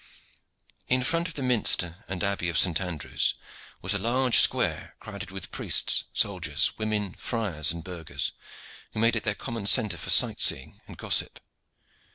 In front of the minster and abbey of St. Andrew's was a large square crowded with priests, soldiers, women, friars, and burghers, who made it their common centre for sight seeing and gossip.